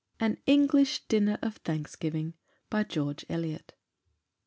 AN ENGLISH DINNER OF THANKSGIVING BY GEORGE ELIOT.